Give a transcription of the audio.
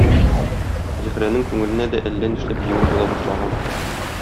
Зөһрәнең күңеленә дә әллә нишләп җиңел була башлаган.